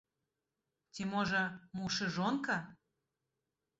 Ці можа муж і жонка?